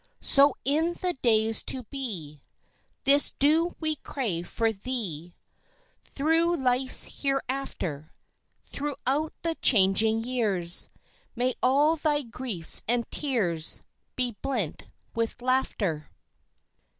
So in the days to be This do we crave for thee, Through life's hereafter, Throughout the changing years, May all thy griefs and tears Be blent with laughter.